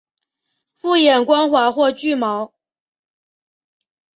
复眼光滑或具毛。